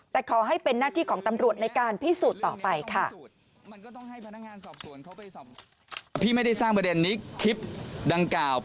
แต่ขอให้เป็นหน้าที่ของตำรวจในการพิสูจน์ต่อไปค่ะ